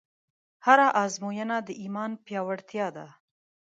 هره ازموینه د ایمان پیاوړتیا ده.